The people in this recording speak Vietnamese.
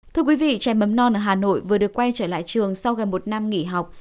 thưa quý vị trẻ mầm non ở hà nội vừa được quay trở lại trường sau gần một năm nghỉ học